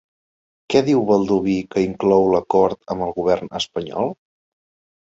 Què diu Baldoví que inclou l'acord amb el govern espanyol?